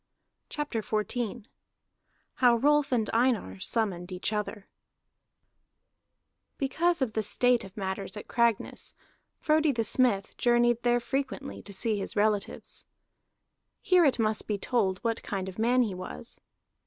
CHAPTER XIV HOW ROLF AND EINAR SUMMONED EACH OTHER Because of the state of matters at Cragness, Frodi the Smith journeyed there frequently to see his relatives. Here it must be told what kind of man he was.